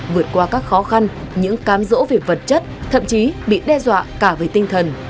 vượt qua các khó khăn những cam rỗ về vật chất thậm chí bị đe dọa cả về tinh thần